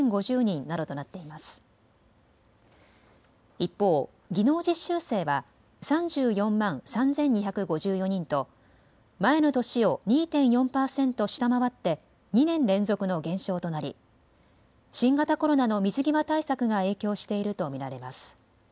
一方、技能実習生は３４万３２５４人と前の年を２．４％下回って２年連続の減少となり新型コロナの水際対策が影響していると見られます。